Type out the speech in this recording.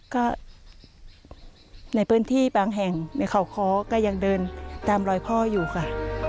ก็ในพื้นที่บางแห่งในเขาค้อก็ยังเดินตามรอยพ่ออยู่ค่ะ